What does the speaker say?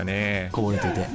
こぼれていて。